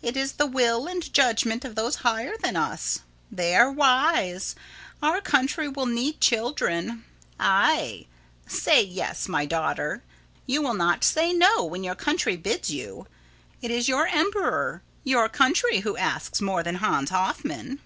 It is the will and judgment of those higher than us. They are wise. Our country will need children. Aye. Say yes, my daughter. You will not say no when your country bids you! It is your emperor, your country, who asks, more than Hans Hoffman.